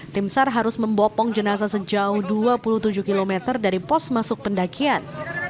tim sar harus membopong jenazah sejauh dua puluh tujuh km dari pos masuk pendakian